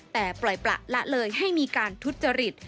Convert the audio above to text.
แต่ปล่อยประละเลยให้มีการทุจริต